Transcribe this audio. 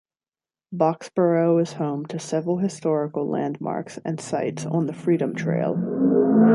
Boxborough is home to several historical landmarks and sites on the Freedom Trail.